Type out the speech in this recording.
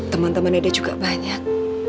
teman temannya dia juga banyak